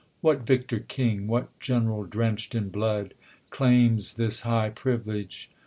What victor king, what gen'ral drench'd in blood, Claims this high privilege